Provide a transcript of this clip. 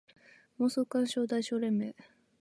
妄想感傷代償連盟